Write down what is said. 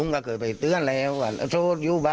แกตลอด